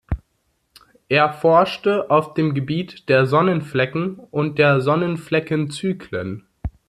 Er forschte auf dem Gebiet der Sonnenflecken und der Sonnenflecken-Zyklen.